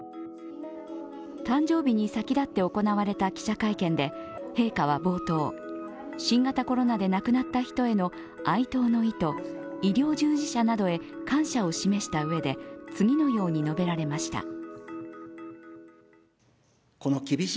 誕生日に先立って行われた記者会見で陛下は冒頭、新型コロナで亡くなった人への哀悼の意と医療従事者などへ感謝を示したうえで、次のように述べられました。